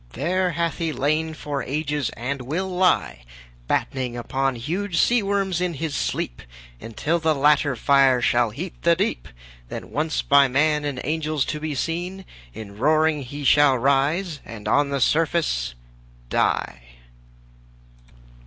There hath he lain for ages and will lie Battening upon huge seaworms in his sleep, Until the latter fire shall heat the deep; Then once by man and angels to be seen, In roaring he shall rise and on the surface die.